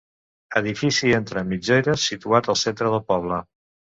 Edifici entre mitgeres situat al centre del poble.